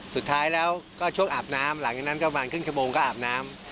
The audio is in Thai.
สุดท้ายแล้วก็ช่วงอาบน้ำหลังจากนั้นก็ประมาณครึ่งชั่วโมงก็อาบน้ำ